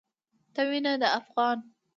ته وينه د افغان